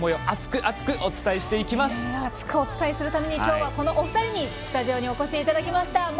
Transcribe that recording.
熱くお伝えするためにきょうはこのお二人にスタジオにお越しいただきました。